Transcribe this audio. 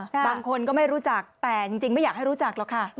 บางคนก็ไม่รู้จักแต่จริงไม่อยากให้รู้จักหรอกค่ะ